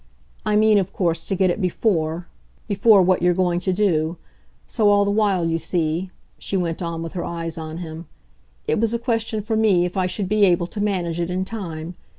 I mean, of course, to get it BEFORE before what you're going to do. So, all the while, you see," she went on with her eyes on him, "it was a question for me if I should be able to manage it in time.